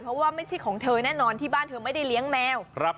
เพราะว่าไม่ใช่ของเธอแน่นอนที่บ้านเธอไม่ได้เลี้ยงแมว